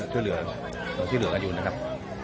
ของที่เหลือกันอยู่นะครับ